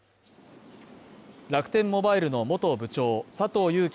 楽天モバイルの元部長佐藤友紀